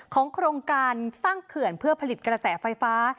โครงการสร้างเขื่อนเพื่อผลิตกระแสไฟฟ้า